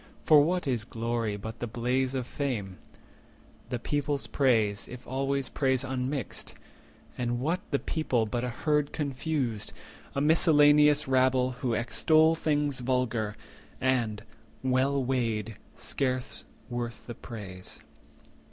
For what is glory but the blaze of fame, The people's praise, if always praise unmixed? And what the people but a herd confused, A miscellaneous rabble, who extol 50 Things vulgar, and, well weighed, scarce worth the praise?